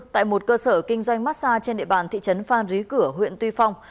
đây là một cơ sở kinh doanh mát xa trên địa bàn thị trấn phan rí cửa huyện tuy phong